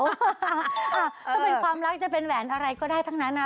ถ้าเป็นความรักจะเป็นแหวนอะไรก็ได้ทั้งนั้นนะ